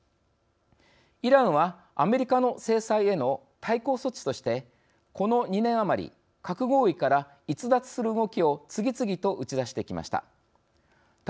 イランは、アメリカの制裁への対抗措置としてこの２年余り核合意から逸脱する動きを次々と打ち出してきました。